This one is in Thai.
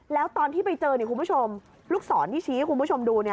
แล้วตอนที่ไปเจอคุณผู้ชมลูกศรที่ชี้ให้คุณผู้ชมดู